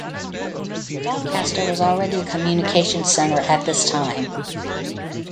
Doncaster was already a communications centre at this time.